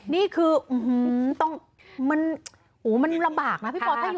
นี่คือมันลำบากนะพี่ปอล์ถ้าอยู่แบบนี้